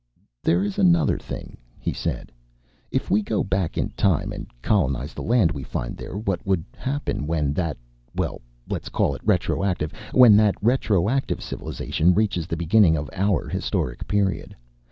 "There is another thing," he said. "If we go back in time and colonize the land we find there, what would happen when that well, let's call it retroactive when that retroactive civilization reaches the beginning of our historic period?